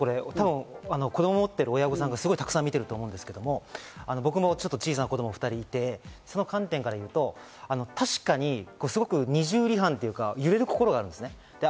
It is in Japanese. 子供を持ってる親御さんがたくさん見てると思うんですけど、僕も小さな子供が２人いて、その観点から言うと確かに二重離反というか、揺れる心がある。